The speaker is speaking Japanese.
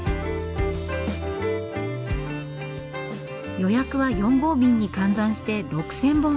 予約は４合瓶に換算して６，０００本。